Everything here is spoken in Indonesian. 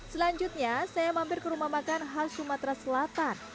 selanjutnya saya mampir ke rumah makan khas sumatera selatan